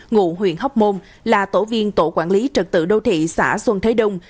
ngụ huyện hóc môn là tổ viên tổ quản lý trật tự đô thị xã xuân thế đông